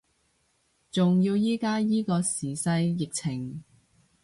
仲要依家依個時勢疫情